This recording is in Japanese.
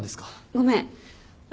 ごめん私